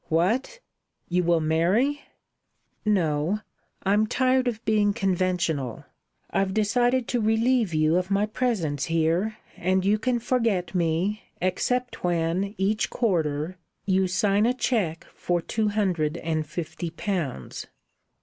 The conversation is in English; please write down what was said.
"What! You will marry?" "No. I'm tired of being conventional. I've decided to relieve you of my presence here; and you can forget me, except when, each quarter, you sign a cheque for two hundred and fifty pounds."